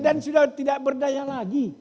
dan sudah tidak berdaya lagi